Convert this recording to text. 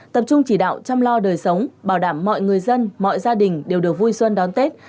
tập trung chỉ đạo chăm lo đời sống bảo đảm mọi người dân mọi gia đình đều được vui xuân đón tết